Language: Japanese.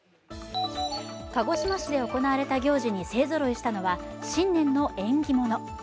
鹿児島市で行われた行事に勢ぞろいしたのは新年の縁起物。